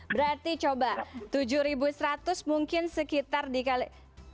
berarti coba tujuh ribu seratus mungkin sekitar dikali